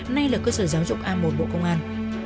nay là cơ sở giáo dục a một bộ công an